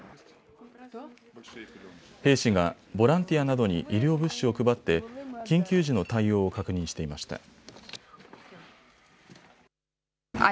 兵士がボランティアなどに医療物資を配って緊急時の対応を確認していました。